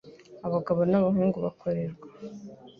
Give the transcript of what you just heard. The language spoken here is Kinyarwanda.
abagabo n abahungu na bo bakorerwa